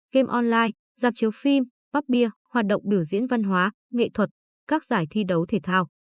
game online dạp chiếu phim parbir hoạt động biểu diễn văn hóa nghệ thuật các giải thi đấu thể thao